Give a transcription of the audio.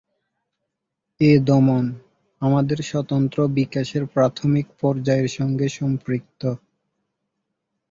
এই দমন "আমাদের স্বতন্ত্র বিকাশের প্রাথমিক পর্যায়ের সঙ্গে সম্পৃক্ত"।